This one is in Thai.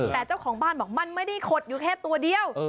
แต่เจ้าของบ้านบอกมันไม่ได้ขดอยู่แค่ตัวเดียว